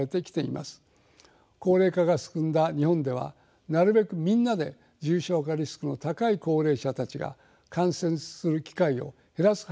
高齢化が進んだ日本ではなるべくみんなで重症化リスクの高い高齢者たちが感染する機会を減らす配慮が必要です。